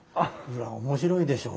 裏面白いでしょ？